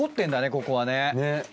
ここはね。